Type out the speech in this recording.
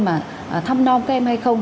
mà thăm non các em hay không